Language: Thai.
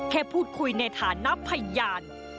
แค่พูดคุยในฐานะพยาน